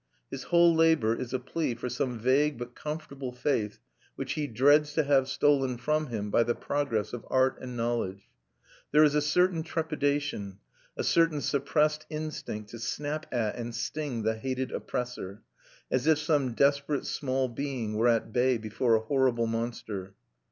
His whole labour is a plea for some vague but comfortable faith which he dreads to have stolen from him by the progress of art and knowledge. There is a certain trepidation, a certain suppressed instinct to snap at and sting the hated oppressor, as if some desperate small being were at bay before a horrible monster.